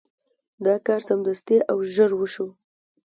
دا کار سمدستي او ژر وشو.